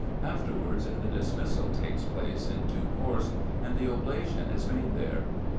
Afterwards the dismissal takes place in due course, and the oblation is made there.